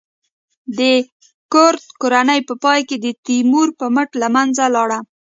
د کرت کورنۍ په پای کې د تیمور په مټ له منځه لاړه.